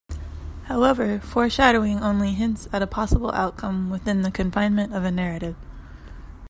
However, foreshadowing only hints at a possible outcome within the confinement of a narrative.